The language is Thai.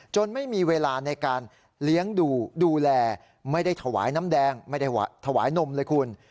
ไม่มีเวลาในการเลี้ยงดูดูแลไม่ได้ถวายน้ำแดงไม่ได้ถวายนมเลยคุณ